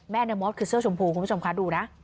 ในมอสคือเสื้อชมพูคุณผู้ชมคะดูนะ